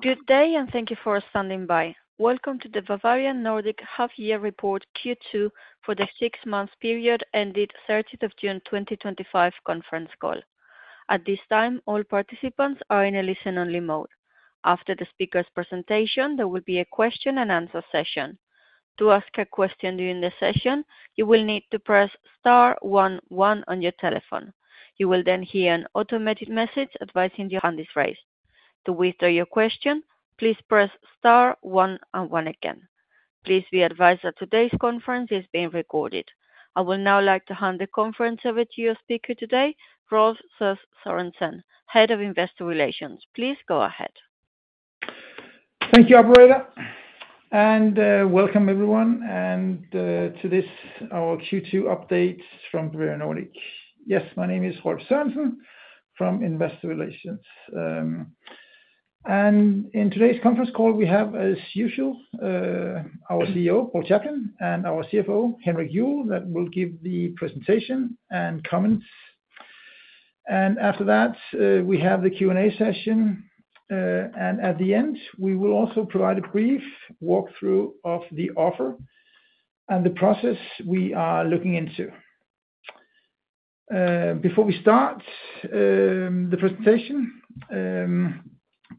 Good day and thank you for standing by. Welcome to the Bavarian Nordic Half Year Report Q2 for the six month period ended 30 June 2025 conference call. At this time all participants are in a listen-only mode. After the speakers' presentation there will be a question and answer session. To ask a question during the session you will need to press *11 on your telephone. You will then hear an automated message advising your hand is raised. To withdraw your question, please press star one one again. Please be advised that today's conference is being recorded. I would now like to hand the conference over to your speaker today, Rolf Sass Sørensen, Head of Investor Relations. Please go ahead. Thank you, operator. And welcome everyone to this, our Q2 update from Bavarian Nordic. My name is Rolf Sass Sørensen from Investor Relations, and in today's conference call we have as usual our Dr. Paul Chaplin and our CFO Henrik Juuel that will give the presentation and comments. After that we have the Q&A session, and at the end we will also provide a brief walkthrough of the offer and the process we are looking into. Before we start the presentation,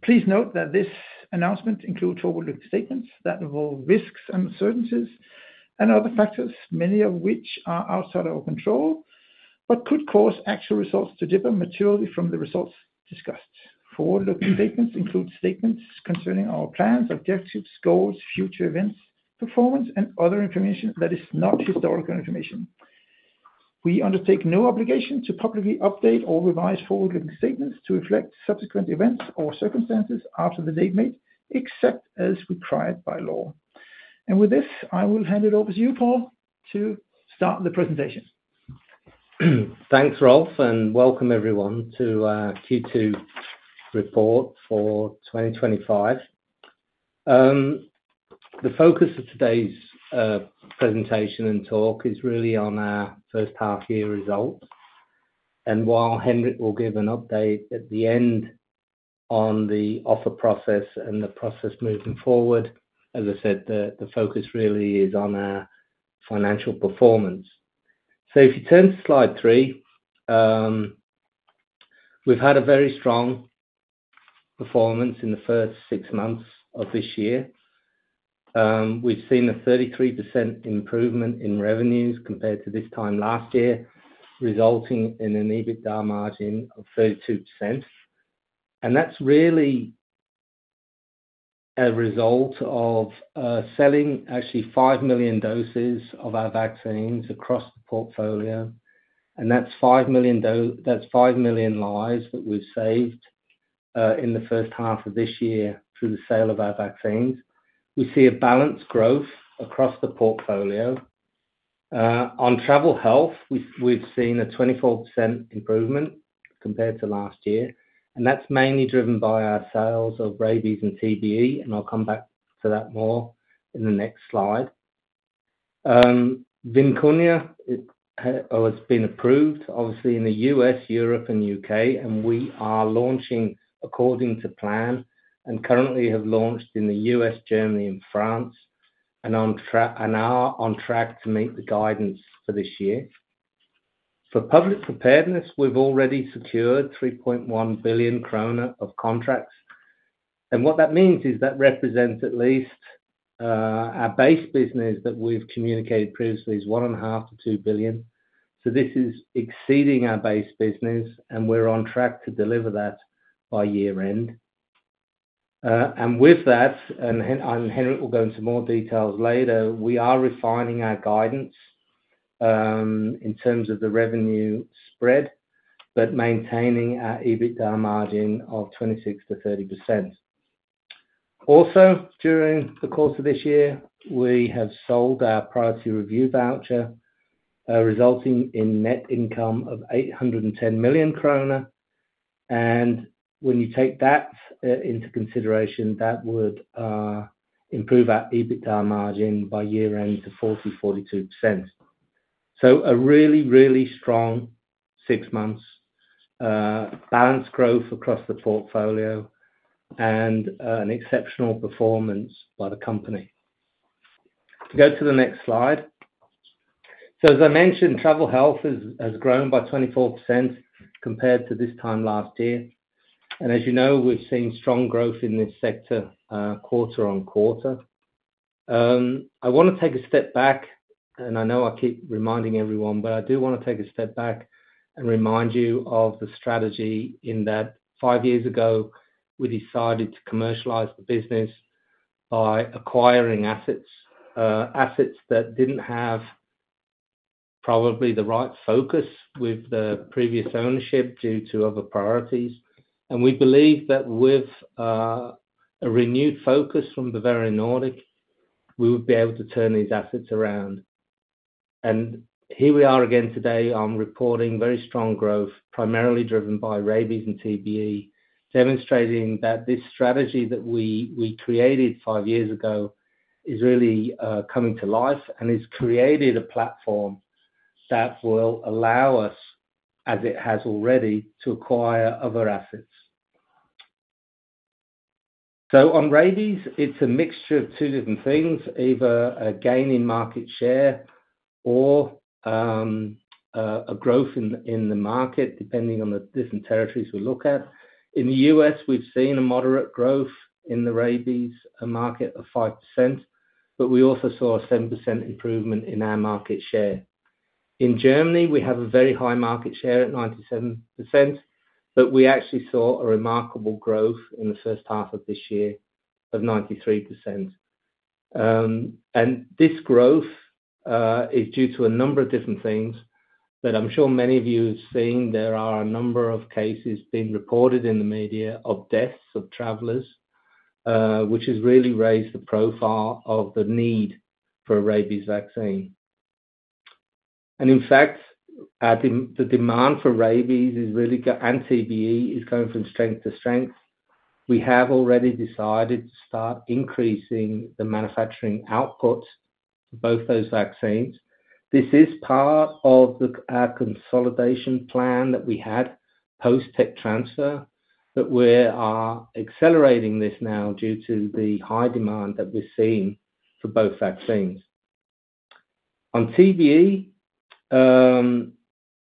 please note that this announcement includes forward-looking statements that involve risks, uncertainties, and other factors, many of which are outside our control but could cause actual results to differ materially from the results discussed. Forward-looking statements include statements concerning our plans, objectives, goals, future events, performance, and other information that is not historical information. We undertake no obligation to publicly update or revise forward-looking statements to reflect subsequent events or circumstances after the date made, except as required by law. With this, I will hand it over to you, Paul, to start the presentation. Thanks Rolf, and welcome everyone to Q2 Report for 2025. The focus of today's presentation and talk is really on our first half year result. While Henrik will give an update at the end on the offer process and the process moving forward, as I said, the focus really is on our financial performance. If you turn to Slide 3, we've had a very strong performance in the first six months of this year. We've seen a 33% improvement in revenues compared to this time last year, resulting in an EBITDA margin of 32%. That's really a result of selling actually 5 million doses of our vaccines across the portfolio. That's 5 million lives that we've saved in the first half of this year through the sale of our vaccines. We see a balanced growth across the portfolio. On travel health, we've seen a 24% improvement compared to last year. And that's mainly driven by our sales of Rabies and TBE. And I'll come back to that more in the next slide. VIMKUNYA has been approved obviously in the U.S., Europe, and U.K., and we are launching according to plan and currently have launched in the U.S., Germany, and France and are on track to meet the guidance this year for public preparedness. We've already secured 3.1 billion kroner of contracts, and what that means is that represents at least our base business that we've communicated previously is 1.5 or 2 billion. This is exceeding our base business and we're on track to deliver that by year end. Henrik will go into more details later. We are refining our guidance in terms of the revenue spread, but maintaining our EBITDA margin of 26%-30%. Also, during the course of this year, we have sold our priority review voucher, resulting in net income of 810 million kroner. When you take that into consideration, that would improve our EBITDA margin by year end to 40%-42%. A really, really strong six months, balanced growth across the portfolio, and an exceptional performance by the company. Go to the next slide. As I mentioned, travel health has grown by 24% compared to this time last year. As you know, we've seen strong growth in this sector, quarter on quarter. I want to take a step back and I know I keep reminding everyone, but I do want to take a step back and remind you of the strategy in that five years ago we decided to commercialize the business by acquiring assets, assets that didn't have probably the right focus with the previous ownership due to other priorities. We believe that with a renewed focus from Bavarian Nordic, we would be able to turn these assets around. Here we are again today reporting very strong growth, primarily driven by Rabies and TBE, demonstrating that this strategy that we created five years ago is really coming to life. It's created a platform that will allow us, as it has already, to acquire other assets. On Rabies, it's a mixture of two different things, either a gain in market share or a growth in the market, depending on the different territories we look at. In the U.S. we've seen a moderate growth in the Rabies market of 5%, but we also saw a 7% improvement in our market share. In Germany, we have a very high market share at 97%, but we actually saw a remarkable growth in the first half of this year of 93%. This growth is due to a number of different things. I'm sure many of you have seen there are a number of cases being reported in the media of deaths of travelers, which has really raised the profile of the need for a Rabies vaccine. In fact, the demand for Rabies is really good and TBE is going from strength to strength. We have already decided to start increasing the manufacturing output of both those vaccines. This is part of the consolidation plan that we had post tech transfer, but we are accelerating this now due to the high demand that we're seeing for both vaccines. On TBE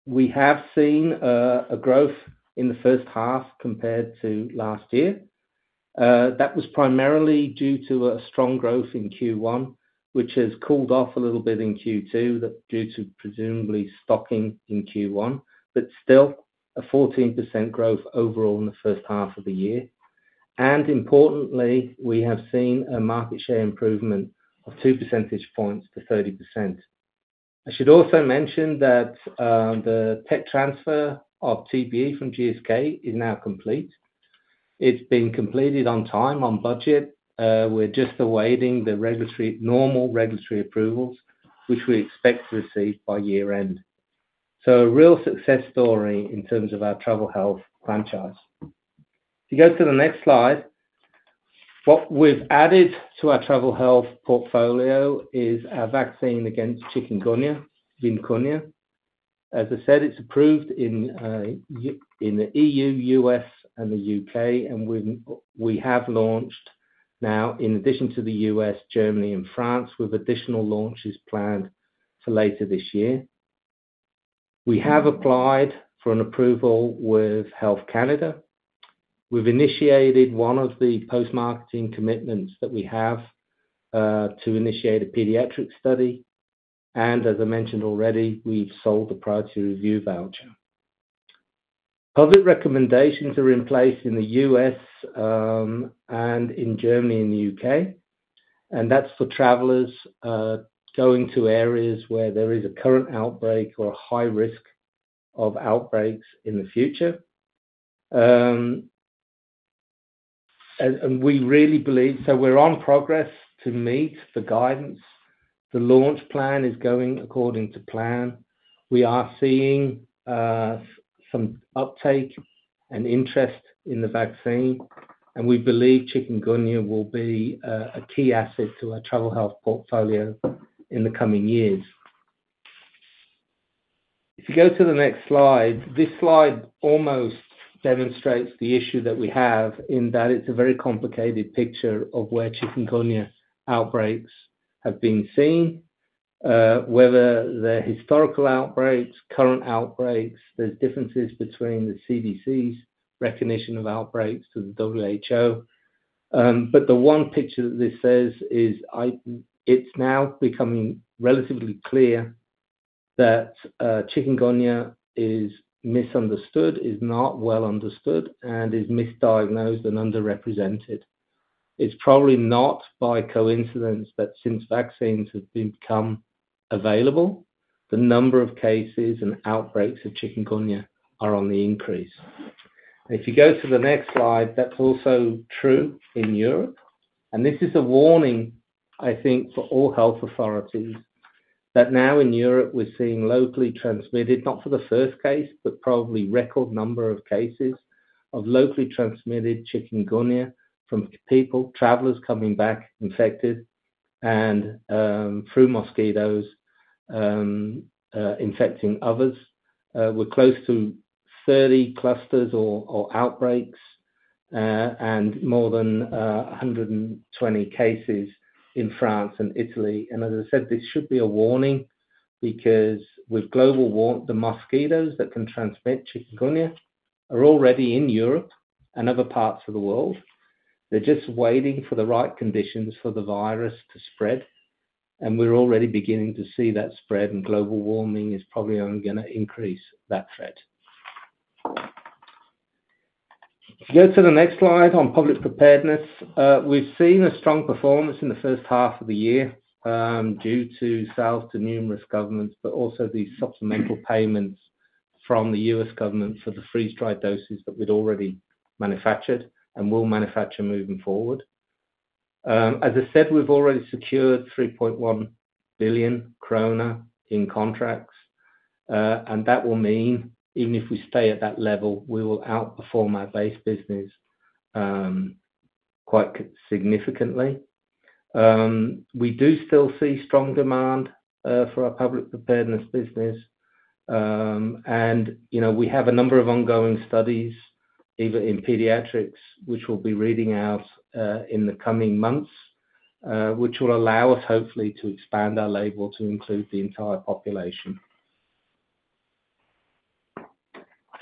we have seen a growth in the first half compared to last year. That was primarily due to a strong growth in Q1 which has cooled off a little bit in Q2, presumably due to stocking in Q1, but still a 14% growth overall in the first half of the year. And importantly, we have seen a market share improvement of 2 percentage points to 30%. I should also mention that the tech transfer of TBE from GSK is now complete. It's been completed on time, on budget. We're just awaiting the normal regulatory approvals which we expect to receive by year end. A real success story in terms of our travel health franchise. If you go to the next slide, what we've added to our travel health portfolio is our vaccine against Chikungunya, VIMKUNYA. As I said, it's approved in the EU, U.S., and the U.K. and we have launched now in addition to the U.S., Germany, and France with additional launches planned for later this year. We have applied for an approval with Health Canada. We've initiated one of the post-marketing commitments that we have to initiate a pediatric study. As I mentioned already, we've sold the priority review voucher. Public recommendations are in place in the U.S., Germany, and the U.K., and that's for travelers going to areas where there is a current outbreak or a high risk of outbreaks in the future. We really believe we're on progress to meet the guidance. The launch plan is going according to plan. We are seeing some uptake and interest in the vaccine, and we believe Chikungunya will be a key asset to our travel health portfolio in the coming years. If you go to the next slide, this slide almost demonstrates the issue that we have in that it's a very complicated picture of where Chikungunya outbreaks have been seen, whether they're historical outbreaks or current outbreaks. There are differences between the CDC's recognition of outbreaks and WHO, but the one picture that this says is it's now becoming relatively clear that Chikungunya is misunderstood, is not well understood, and is misdiagnosed and underrepresented. It's probably not by coincidence that since vaccines have become available, the number of cases and outbreaks of Chikungunya are on the increase. If you go to the next slide, that's also true in Europe. This is a warning, I think, for all health authorities that now in Europe we're seeing locally transmitted, not for the first case, but probably record number of cases of locally transmitted Chikungunya from people, travelers coming back infected, and through mosquitoes infecting others. We're close to 30 clusters or outbreaks and more than 120 cases in France and Italy. As I said, this should be a warning because with global warming, the mosquitoes that can transmit Chikungunya are already in Europe and other parts of the world. They're just waiting for the right conditions for the virus to spread. We're already beginning to see that spread, and global warming is probably only going to increase that threat. If you go to the next slide on public preparedness, we've seen a strong performance in the first half of the year due to sales to numerous governments, but also the supplemental payments from the U.S. government for the freeze-dried doses that we'd already manufactured and will manufacture moving forward. As I said, we've already secured 3.1 billion kroner in contracts, and that will mean even if we stay at that level, we will outperform our base business quite significantly. We do still see strong demand for our public preparedness business. We have a number of ongoing studies either in Pediatrics, which we'll be reading out in the coming months, which will allow us hopefully to expand our label to include the entire population.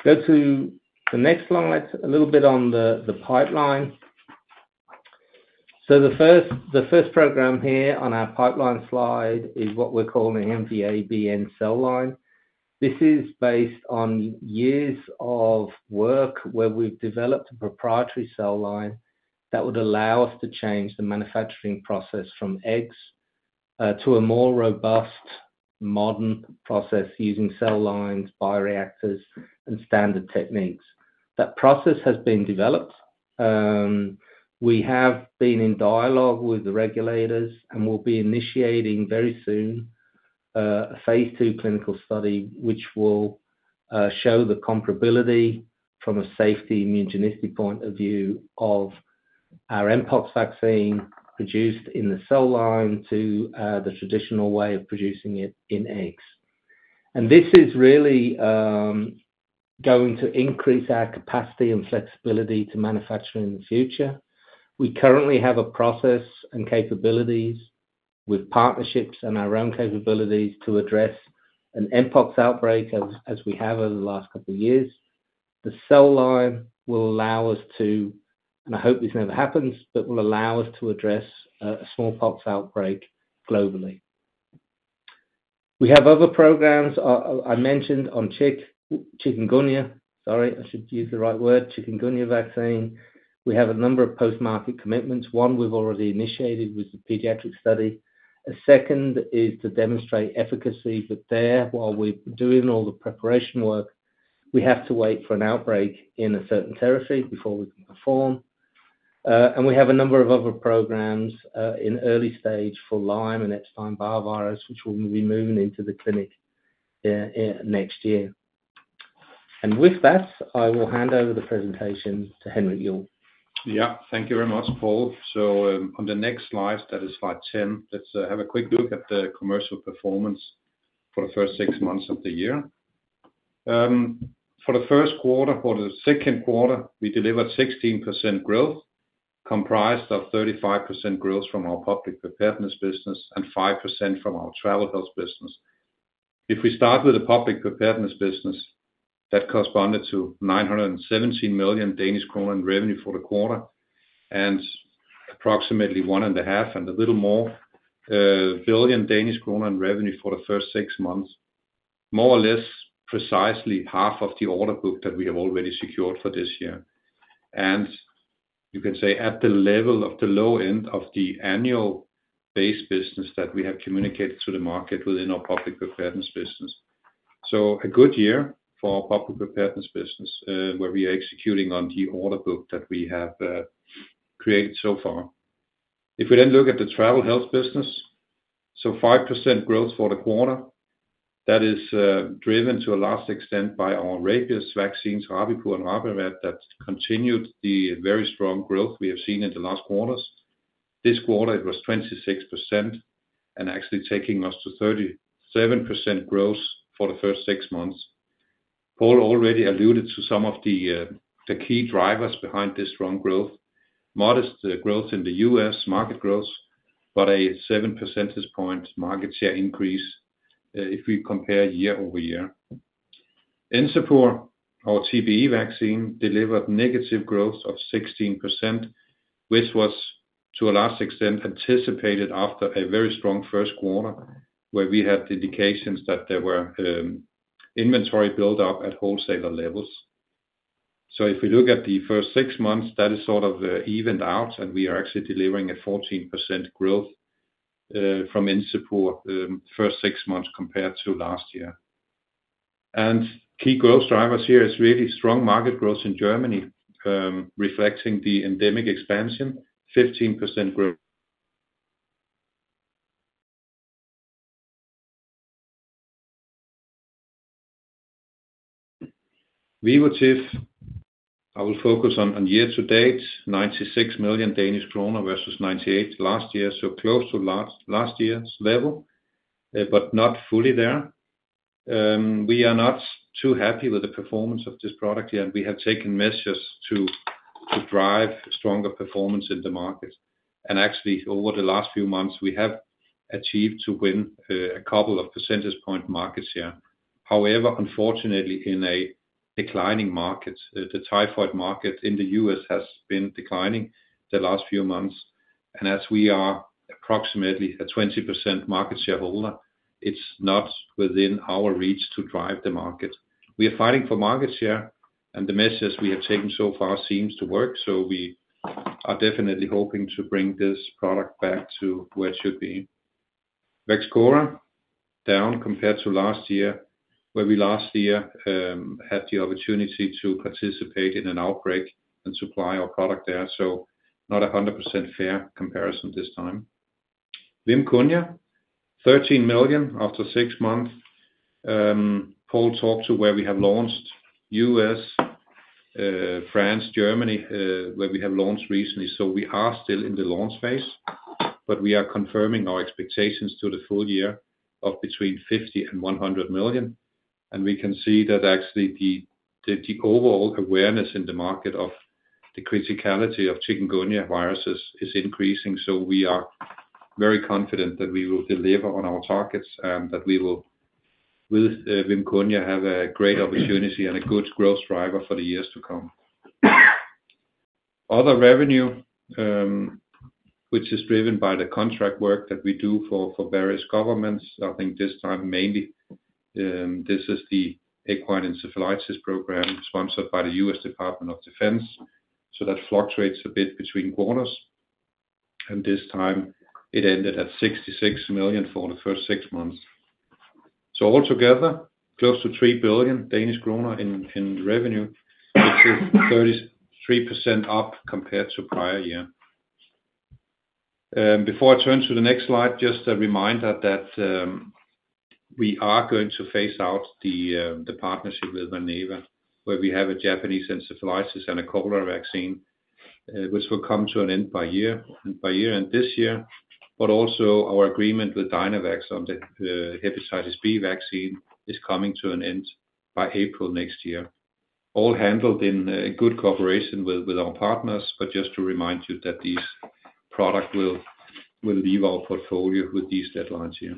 Go to the next slide a little bit on the pipeline. The first program here on our pipeline slide is what we're calling the MVA-BN cell line. This is based on years of work where we've developed a proprietary cell line that would allow us to change the manufacturing process from eggs to a more robust modern process using cell lines, bioreactors, and standard techniques. That process has been developed, we have been in dialogue with the regulators, and we'll be initiating very soon a phase II clinical study which will show the comparability from a safety immunogenicity point of view of our MPOX vaccine produced in the cell line to the traditional way of producing it in eggs. This is really going to increase our capacity and flexibility to manufacture in the future. We currently have a process and capabilities with partnerships and our own capabilities to address an MPOX outbreak as we have over the last couple of years. The cell line will allow us to, and I hope this never happens, but will allow us to address a smallpox outbreak globally. We have other programs I mentioned on Chikungunya. Chikungunya vaccine. We have a number of post market commitments. One we've already initiated with the pediatric study. A second is to demonstrate efficacy. While we're doing all the preparation work, we have to wait for an outbreak in a certain therapy before we perform. We have a number of other programs in early stage for Lyme and Epstein-Barr virus which will be moving into the clinic next year. With that I will hand over the presentation to Henrik Juuel. Yeah, thank you very much, Paul. On the next slide, that is slide 10, let's have a quick look at the commercial performance for the first six months of the year. For the first quarter, for the second quarter we delivered 16% growth comprised of 35% growth from our public preparedness business and 5% from our travel health business. If we start with the public preparedness business, that corresponded to 917 million Danish kroner in revenue for the quarter and approximately 1.5 billion and a little more in revenue for the first six months, more or less precisely half of the order book that we have already secured for this year. You can say at the level of the low end of the annual base business that we have communicated to the market within our public preparedness business. A good year for public preparedness business where we are executing on the order book that we have created so far. If we then look at the travel health business, 5% growth for the quarter is driven to a large extent by our Rabies vaccine, Rabipur and Verorab that continued the very strong growth we have seen in the last quarters. This quarter it was 26% and actually taking us to 37% growth for the first six months. Paul already alluded to some of the key drivers behind this strong growth. Modest growth in the U.S. market growth, but a 7 percentage point market share increase. If we compare year over year Encepur, our TBE vaccine delivered negative growth of 16% which was to a large extent anticipated after a very strong first quarter where we had indications that there were inventory buildup at wholesaler levels. If we look at the first six months that is sort of evened out and we are actually delivering a 14% growth from Encepur the first six months compared to last year. Key growth drivers here is really strong market growth in Germany reflecting the endemic expansion. 15% growth. Vivotif I will focus on year to date. 96 million Danish kroner versus 98 million last year. Close to last year's level, but not fully there. We are not too happy with the performance of this product here and we have taken measures to drive stronger performance in the market and actually over the last few months we have achieved to win a couple of percentage point market share. However, unfortunately in a declining market, the typhoid market in the U.S. has been declining the last few months and as we are approximately a 20% market shareholder, it's not within our reach to drive the market. We are fighting for market share and the measures we have taken so far seem to work. We are definitely hoping to bring this product back to where it should be. VAXCHORA down compared to last year, where we last year had the opportunity to participate in an outbreak and supply our product there. Not a 100% fair comparison this time. VIMKUNYA $13 million after six months. Paul, talk to where we have launched. U.S., France, Germany, where we have launched recently. We are still in the launch phase, but we are confirming our expectations to the full year of between $50 million and $100 million. We can see that actually the overall awareness in the market of the criticality of Chikungunya viruses is increasing. We are very confident that we will deliver on our targets and that we will, with VIMKUNYA, have a great opportunity and a good growth driver for the years to come. Other revenue which is driven by the contract work that we do for various governments. I think this time mainly this is the equine encephalitis program sponsored by the U.S. Department of Defense. That fluctuates a bit between quarters. And this time it ended at $66 million for the first six months. Altogether close to 3 billion Danish kroner in revenue. It's 33% up compared to prior year. Before I turn to the next slide, just a reminder that we are going to phase out the partnership with Valneva where we have a Japanese encephalitis and a cholera vaccine which will come to an end by year-end this year. Also our agreement with Dynavax on the Hepatitis B vaccine is coming to an end by April next year. All handled in good cooperation with our partners, but just to remind you that these products will leave our portfolio with these deadlines here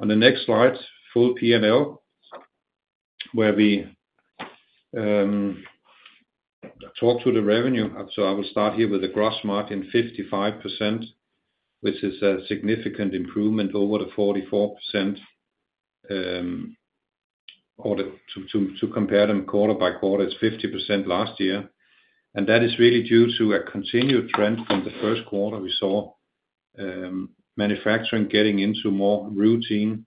on the next slide, full P&L where we talk to the revenue. I will start here with the gross margin 55% which is a significant improvement over the 44% or to compare them quarter by quarter, it's 50% last year and that is really due to a continued trend. In the first quarter we saw manufacturing getting into more routine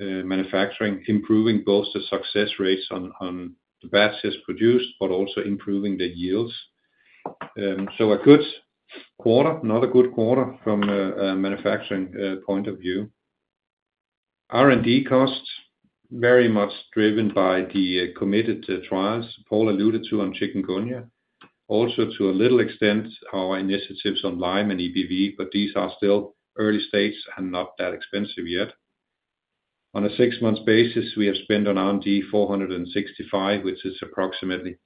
manufacturing, improving both the success rates on the batches produced but also improving the yields. A good quarter, another good quarter from manufacturing point of view. R&D cost very much driven by the committed trials Paul alluded to on Chikungunya. Also to a little extent our initiatives on Lyme and EBV, but these are still early stage and not that expensive yet. On a six-month basis, we have spent on R&D 465 million, which is approximately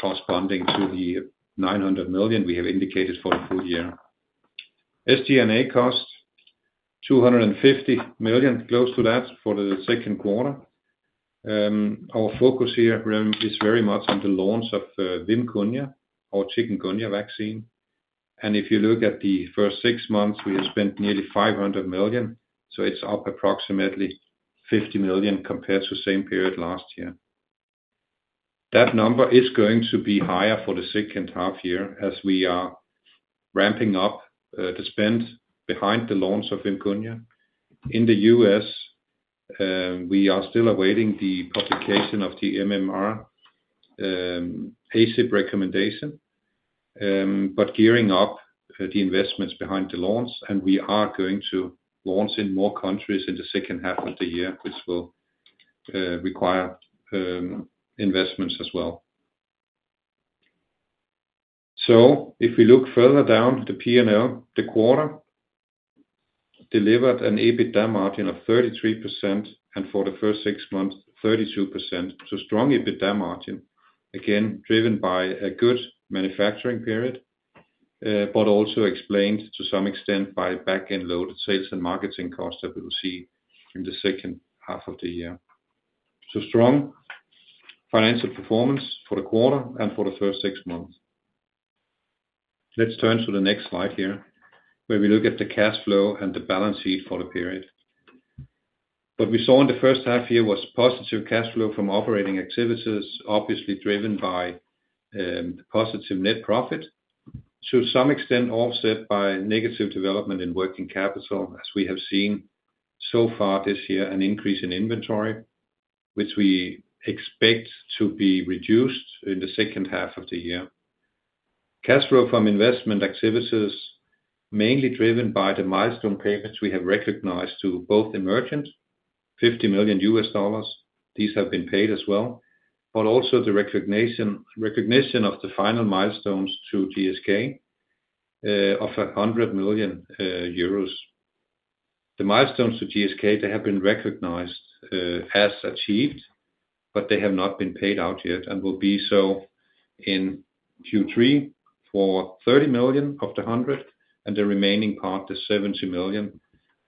corresponding to the 900 million we have indicated for the full year. SG&A cost 250 million, close to that for the second quarter. Our focus here is very much on the launch of VIMKUNYA or Chikungunya vaccine. And if you look at the first six months, we have spent nearly 500 million, so it's up approximately 50 million compared to the same period last year. That number is going to be higher for the second half year as we are ramping up the spend behind the launch of VIMKUNYA in the U.S. We are still awaiting the publication of the MMR ACIP recommendation but gearing up the investments behind the launch. We are going to launch in more countries in the second half of the year, which will require investments as well. If we look further down the P&L, the quarter delivered an EBITDA margin of 33% and for the first six months 32%. Strong EBITDA margin again driven by a good manufacturing period but also explained to some extent by back-end loaded sales and marketing costs that we will see in the second half of the year. Strong financial performance for the quarter and for the first six months. Let's turn to the next slide here where we look at the cash flow and the balance sheet for the period. What we saw in the first half here was positive cash flow from operating activities, obviously driven by positive net profit to some extent offset by negative development in working capital as we have seen so far this year, an increase in inventory which we expect to be reduced in the second half of the year. Cash flow from investment activities mainly driven by the milestone payments we have recognized to both Emergent $50 million. These have been paid as well, but also the recognition of the final milestones to GSK of 100 million euros. The milestones to GSK, they have been recognized as achieved, but they have not been paid out yet and will be so in Q3 for €30 million of the 100 million, and the remaining part, the 70 million,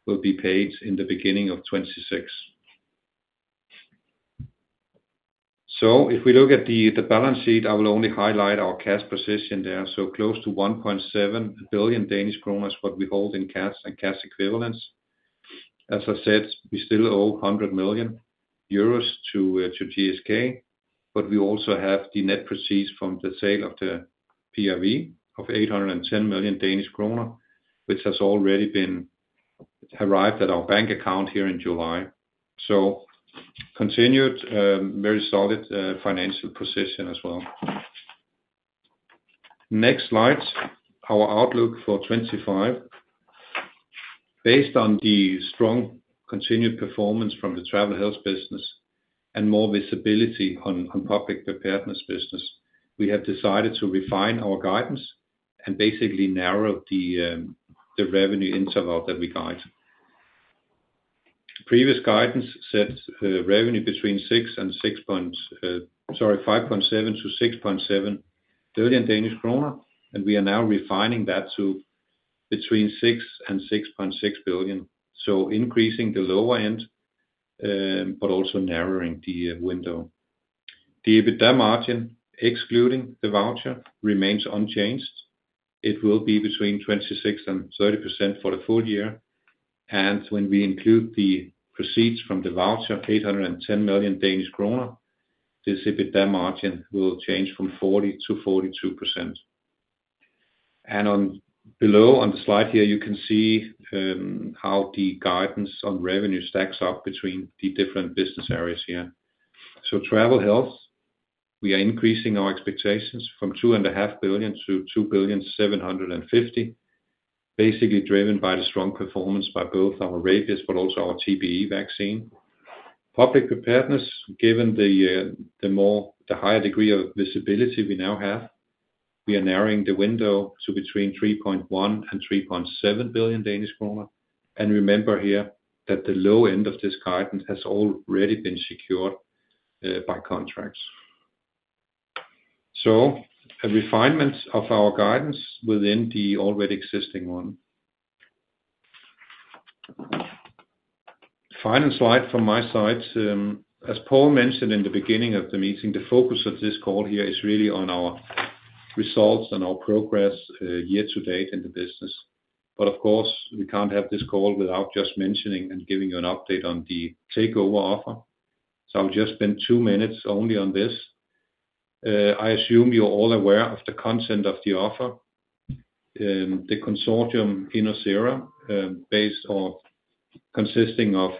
will be paid in the beginning of 2026. If we look at the balance sheet, I will only highlight our cash position there, so close to 1.7 billion Danish kroner, what we hold in cash and cash equivalents. As I said, we still owe 100 million euros to GSK. We also have the net proceeds from the sale of the priority review voucher of 810 million Danish kroner, which has already arrived at our bank account here in July. Continued very solid financial position as well. Next slide, our outlook for 2025. Based on the strong continued performance from the travel health business and more visibility on public preparedness business, we have decided to refine our guidance and basically narrow the revenue interval that we guide. Previous guidance sets revenue between 5.7 billion and 6.7 billion Danish kroner. We are now refining that to between 6 billion and 6.6 billion, increasing the lower end but also narrowing the window. The EBITDA margin excluding the voucher remains unchanged. It will be between 26% and 30% for the full year. When we include the proceeds from the voucher, 810 million Danish kroner, this EBITDA margin will change from 40%-42%. And on below on the slide here, you can see how the guidance on revenue stacks up between the different business areas here. travel health, we are increasing our expectations from 2.5 billion-2.75 billion, basically driven by the strong performance by both our Rabies, but also our TBE vaccine. Public preparedness, given the higher degree of visibility we now have, we are narrowing the window to between 3.1 billion and 3.7 billion Danish kroner. Remember here that the low end of this guidance has already been secured by contracts. A refinement of our guidance within the already existing one. Final slide from my side. As Paul mentioned in the beginning of the meeting, the focus of this call here is really on our results and our progress year to date in the business. Of course, we can't have this call without just mentioning and giving you an update on the takeover offer. I'll just spend two minutes only on this. I assume you're all aware of the content of the offer. The consortium, consisting of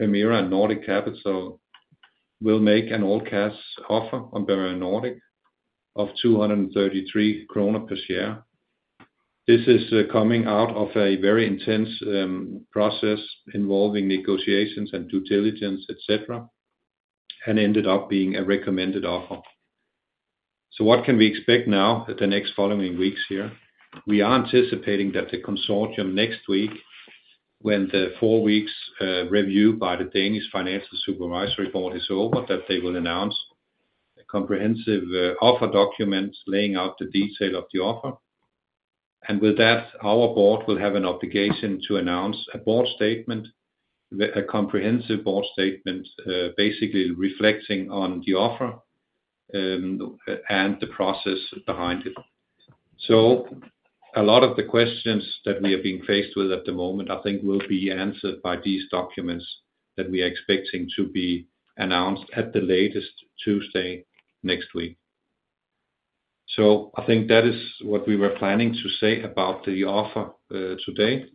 EQT and Nordic Capital, will make an all-cash offer on Bavarian Nordic of 233 kroner per share. This is coming out of a very intense process involving negotiations and due diligence, etc., and ended up being a recommended offer. What can we expect now in the next following weeks? Here we are anticipating that the consortium next week, when the four weeks review by the Danish Financial Supervisory Board is over, will announce a comprehensive offer document laying out the detail of the offer, and with that our board will have an obligation to announce a board statement, a comprehensive board statement basically reflecting on the offer and the process behind it. A lot of the questions that we are being faced with at the moment I think will be answered by these documents that we are expecting to be announced at the latest Tuesday next week. I think that is what we were planning to say about the offer today.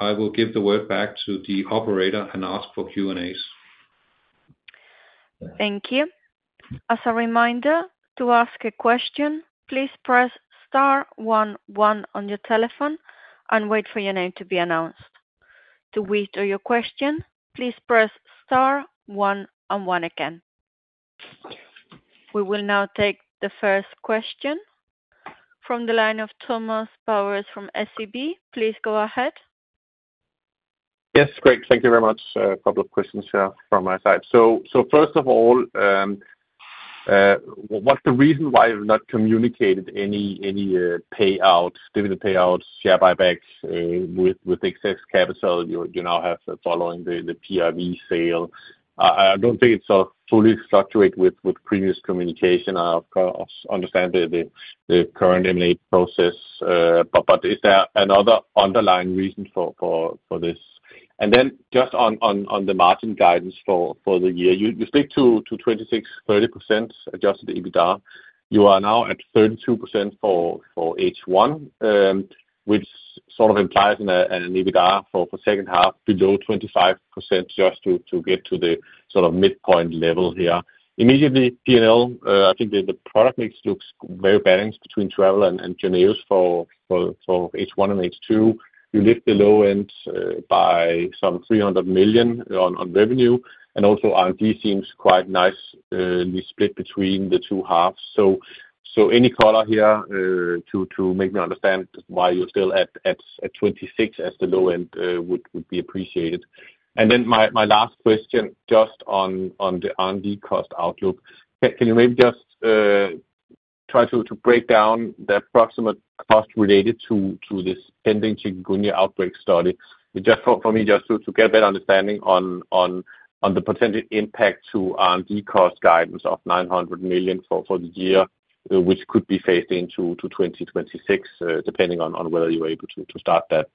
I will give the word back to the operator and ask for Q&As. Thank you. As a reminder, to ask a question, please press *11 on your telephone and wait for your name to be announced. To withdraw your question, please press star one and one again. We will now take the first question from the line of Thomas Bowers from SEB. Please go ahead. Yes, Craig, thank you very much. A couple of questions here from my side. First of all, what's the reason why you've not communicated any payouts, dividend payouts, share buyback with excess capital you now have following the PRV sale? I don't think it's fully in line with previous communication. I understand the current M&A process, but is there another underlying reason for this? Just on the margin guidance for the year, you stick to 26-30% adjusted EBITDA, you are now at 32% for H1, which sort of implies an EBITDA for the second half below 25% just to get to the sort of midpoint level here immediately. I think the product mix looks great, very balanced between travel and engineers. For H1 and H2, you lift the low end by some $300 million on revenue, and also R&D seems quite nicely split between the two halves. Any color here to make me understand why you're still at 26% as the low end would be appreciated. My last question, just on the R&D cost outlook, can you maybe just try to break down the approximate cost related to this ending Chikungunya outbreak study for me, just to get a better understanding on the potential impact to the cost guidance of $900 million for the year, which could be phased into 2026, depending on whether you were able to start that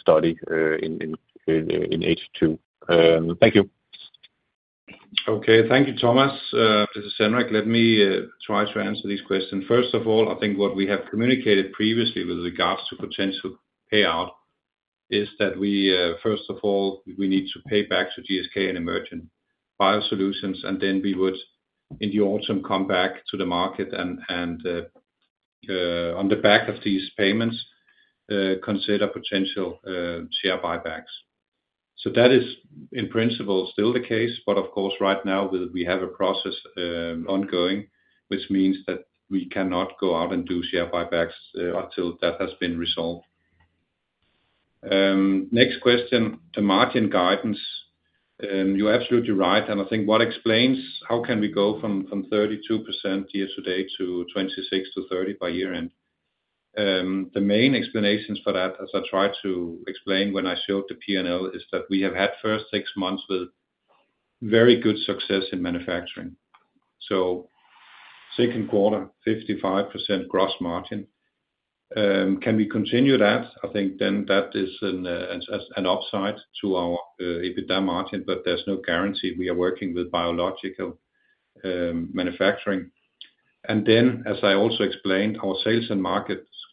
study in H2. Thank you. Okay, thank you, Thomas. Let me try to answer these questions. First of all, I think what we have communicated previously with regards to potential payout is that first of all we need to pay back to GSK and Emergent BioSolutions and then we would in the autumn come back to the market and on the back of these payments consider potential share buybacks. That is in principle still the case. Of course, right now we have a process ongoing which means that we cannot go out and do share buybacks until that has been resolved. Next question, the margin guidance. You're absolutely right. I think what explains how we can go from 32% year to date to 26%-30% by year end, the main explanations for that, as I tried to explain when I showed the P&L, is that we have had the first six months with very good success in manufacturing. Second quarter 55% gross margin. Can we continue that? I think then that is an upside to our EBITDA margin. There's no guarantee. We are working with biological manufacturing.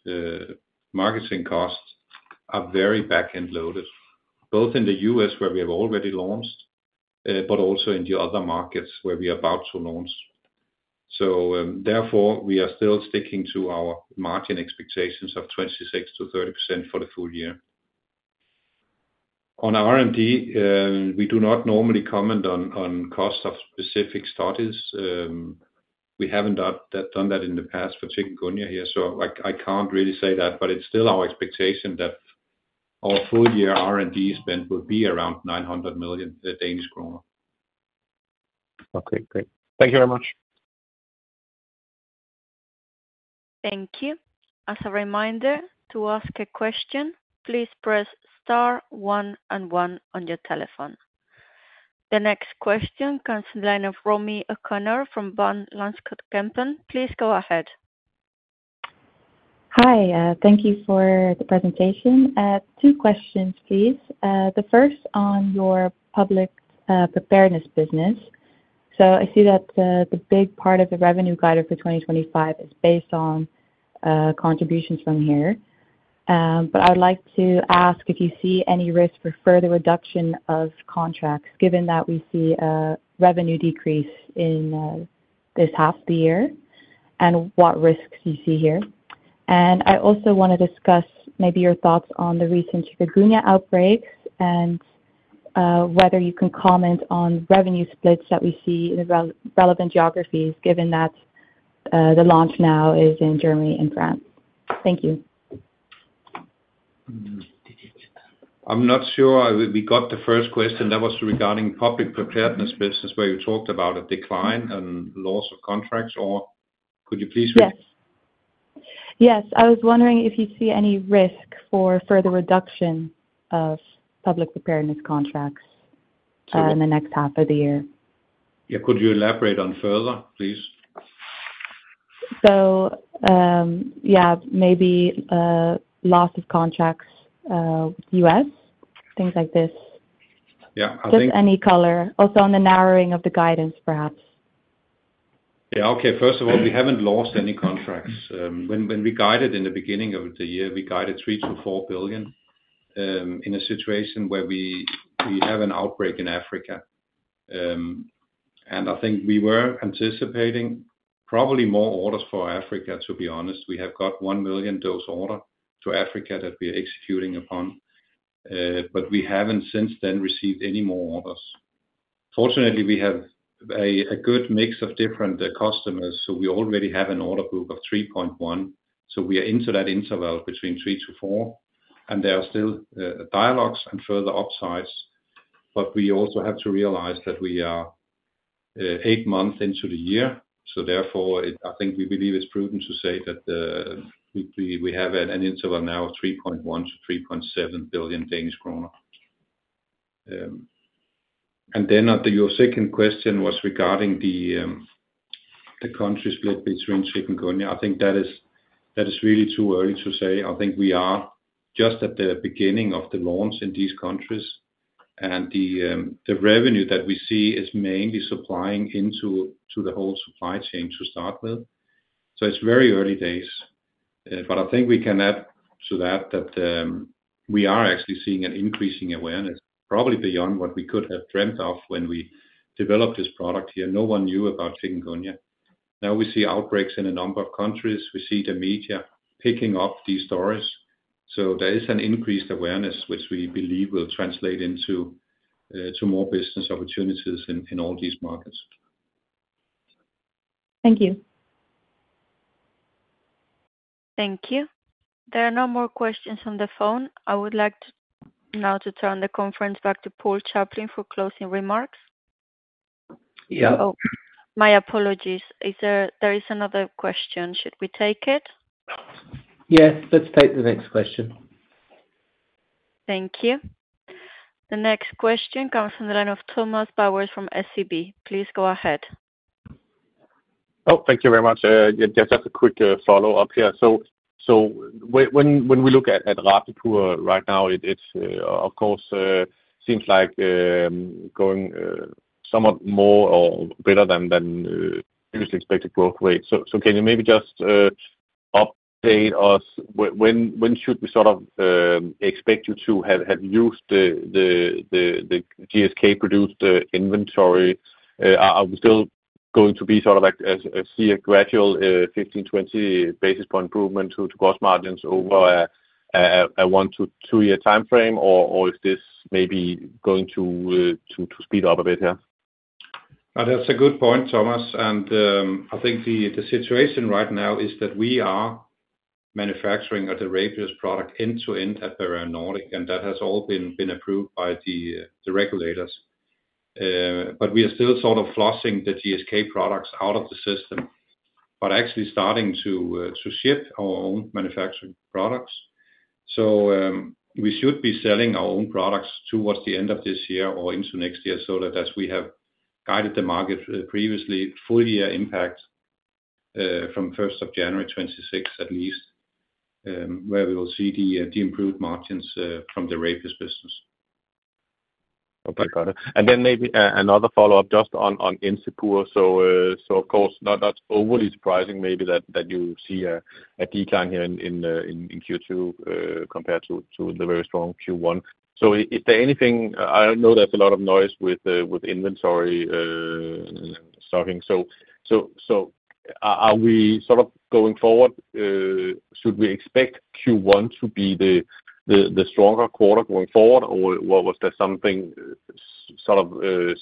As I also explained, our sales and marketing costs are very back end loaded, both in the U.S. where we have already launched, but also in the other markets where we are about to launch. Therefore, we are still sticking to our margin expectations of 26%-30% for the full year. On R&D, we do not normally comment on cost of specific starters. We haven't done that in the past for Chikungunya here. I can't really say that. It's still our expectation that our full year R&D spend will be around 900 million Danish kroner. Okay, great. Thank you very much. Thank you. As a reminder to ask a question, please press *1 and 1 on your telephone. The next question comes in the line of Romy O'Connor from Van Lanschot Kempen. Please go ahead. Hi. Thank you for the presentation. Two questions, please. The first on your public preparedness business. I see that the big part of the revenue guide for 2025 is based on contributions from here. I would like to ask if you see any risk for further reduction of contracts given that we see revenue decrease in this half the year, and what risks you see here. I also want to discuss maybe your thoughts on the recent outbreak and whether you can comment on revenue splits that we see in the relevant geographies given that the launch now is in Germany and France. Thank you. I'm not sure we got the first question. That was regarding public preparedness business where you talked about a decline and loss of contracts, or could you please. Yes, I was wondering if you see any risk for further reduction of public preparedness contracts in the next half of the year. Yeah, could you elaborate on further please? Maybe loss of contracts, U.S., things like this. Just any color. Also on the narrowing of the guidance perhaps? Yeah. Okay. First of all, we haven't lost any contracts. When we guided in the beginning of the year, we guided 3-4 billion in a situation where we have an outbreak in Africa. I think we were anticipating probably more orders for Africa, to be honest. We have got a 1 million dose order to Africa that we are executing upon, but we haven't since then received any more orders. Fortunately, we have a good mix of different customers. We already have an order book of 3.1. We are into that interval between 3-4. There are still dialogues and further upsides. We also have to realize that we are eight months into the year. Therefore, I think we believe it's prudent to say that we have an interval now of 3.1-3.7 billion Danish kroner. And then your second question was regarding the country split between Chikungunya. I think that is really too early to say. We are just at the beginning of the launch in these countries and the revenue that we see is mainly supplying into the whole supply chain to start with. It's very early days. I think we can add to that. We are actually seeing an increasing awareness probably beyond what we could have dreamt of when we developed this product here. No one knew about Chikungunya. Now we see outbreaks in a number of countries. We see the media picking up these stories. There is an increased awareness which we believe will translate into more business opportunities in all these markets. Thank you. Thank you. There are no more questions on the phone. I would like now to turn the conference back to Paul Chaplin for closing remarks. My apologies. There is another question. Should we take it? Yes, let's take the next question. Thank you. The next question comes from the line of Thomas Bowers from SEB. Please go ahead. Thank you very much. Just a quick follow up here. When we look at Rabies vaccine right now, it of course seems like going somewhat more or better than previously expected growth rate. Can you maybe just update us when, when should we sort of expect you to have used the GSK produced inventory? Are we still going to be sort of like see a gradual 15-20 basis points improvement to the gross margins over a one to two year time frame, or is this maybe going to speed up a bit? That's a good point, Thomas. I think the situation right now is that we are manufacturing a Rabies product end to end at Bavarian Nordic, and that has all been approved by the regulators. We are still sort of flushing the GSK products out of the system, actually starting to ship our own manufacturing products. We should be selling our own products towards the end of this year or into next year, so that as we have guided the market previously, full year impact from January 1, 2026 at least, where we will see the improved margins from the Rabies business. Okay, got it. Maybe another follow-up just on Encepur. Of course, not overly surprising maybe that you see a decline here in Q2 compared to the very strong Q1. Is there anything, I know that's a lot of noise with inventory stocking. Are we, sort of going forward, should we expect Q1 to be the stronger quarter going forward, or was there something, sort of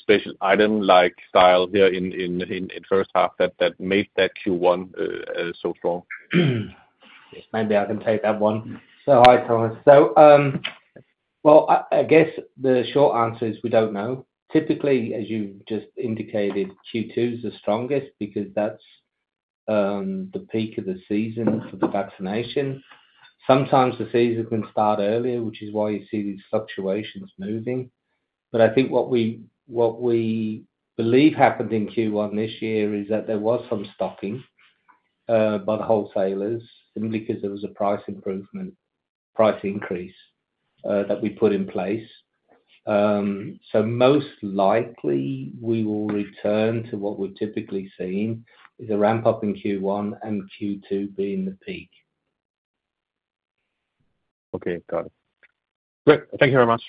special item-like style here in the first half that made that Q1 so strong? Maybe I can take that one. Hi Thomas. I guess the short answer is we don't know. Typically, as you just indicated, Q2 is the strongest because that's the peak of the season for the vaccination. Sometimes the season can start earlier, which is why you see these fluctuations moving. I think what we believe happened in Q1 this year is that there was some stocking by the wholesalers because there was a price improvement, price increase that we put in place. Most likely we will return to what we're typically seeing, which is a ramp up in Q1 and Q2 being the peak. Okay, got it. Thank you very much.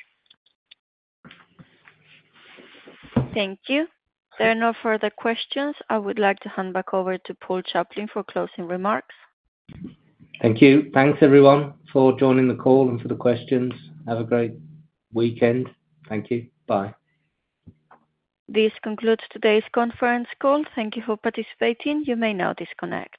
Thank you. There are no further questions. I would like to hand back over to Paul Chaplin for closing remarks. Thank you. Thanks everyone for joining the call and for the questions. Have a great weekend. Thank you. Bye. This concludes today's conference call. Thank you for participating. You may now disconnect.